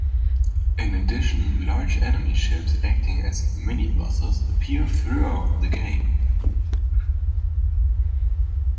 In addition, large enemy ships acting as "mini-bosses" appear throughout the game.